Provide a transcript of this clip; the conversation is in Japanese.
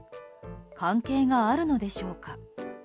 関係があるのでしょうか？